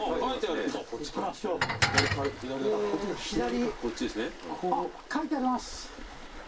あっ書いてあります。